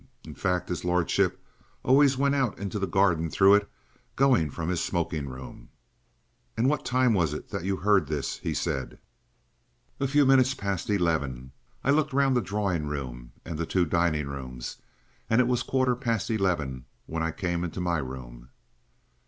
In fact, his lordship always went out into the garden through it, going from his smoking room." "And what time was it that you heard this?" he said. "A few minutes past eleven. I looked round the drawing room and the two dining rooms, and it was a quarter past eleven when I came into my room."